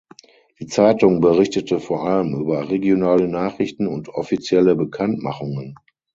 Die Zeitung berichtete vor allem über regionale Nachrichten und offizielle Bekanntmachungen.